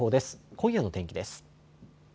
今夜の天気です。